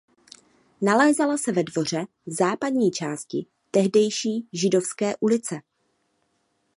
Nacházela se ve dvoře v západní části tehdejší Židovské ulice.